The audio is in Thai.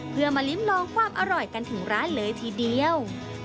เพื่อมาลิ้มลองความอร่อยกันถึงร้านเลยทีเดียว